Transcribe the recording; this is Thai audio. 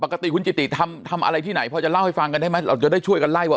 ปกติคุณจิติทำอะไรที่ไหนพอจะเล่าให้ฟังกันได้ไหมเราจะได้ช่วยกันไล่ว่า